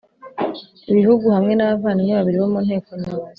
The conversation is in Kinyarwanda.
Bihugu hamwe n abavandimwe babiri bo mu nteko nyobozi